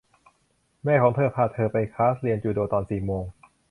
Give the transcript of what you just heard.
แม่ของเธอพาเธอไปคลาสเรียนจูโดตอนสี่โมง